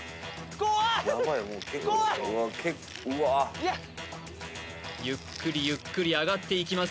怖いいやっゆっくりゆっくり上がっていきます